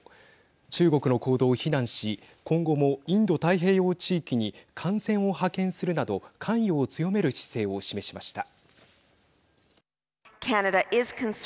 中国の行動を非難し今後も、インド太平洋地域に艦船を派遣するなど関与を強める姿勢を示しました。